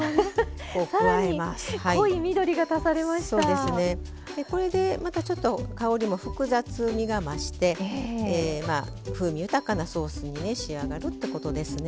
でこれでまたちょっと香りも複雑みが増してえまあ風味豊かなソースにね仕上がるってことですね。